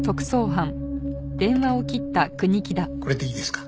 これでいいですか？